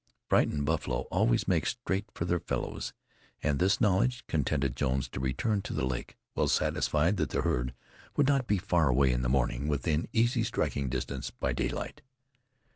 Frightened buffalo always make straight for their fellows; and this knowledge contented Jones to return to the lake, well satisfied that the herd would not be far away in the morning, within easy striking distance by daylight.